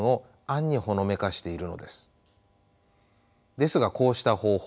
ですがこうした方法